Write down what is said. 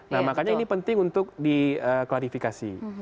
nah makanya ini penting untuk diklarifikasi